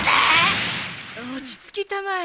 落ち着きたまえ。